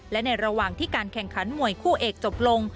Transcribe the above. และในระหว่างที่การแข่งขันมวยคู่เอกจบลง